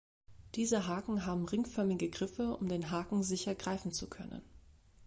Diese Haken haben ringförmige Griffe, um den Haken sicher greifen zu können.